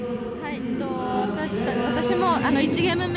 私も１ゲーム目